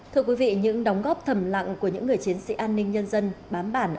thưa quý vị những đóng góp thầm lặng của những người chiến sĩ an ninh nhân dân bám bản